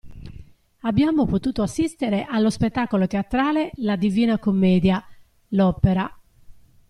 Abbiamo potuto assistere allo spettacolo teatrale "La Divina Commedia – L'opera".